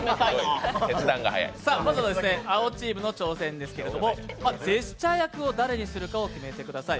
まずは青チームの挑戦ですけれどもジェスチャー役を誰にするか決めてください。